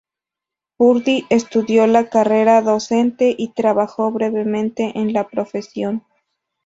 Purdy estudió la carrera docente, y trabajó brevemente en la profesión.